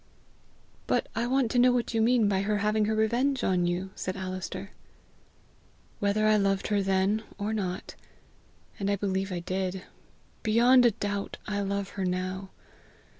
"But I want to know what you mean by her having her revenge on you?" said Alister. "Whether I loved her then or not, and I believe I did, beyond a doubt I love her now.